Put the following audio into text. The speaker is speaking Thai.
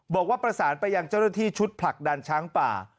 บอกว่าประสานไปอย่างเจ้าทฤทธิ์ชุดผลักดันช้างป่า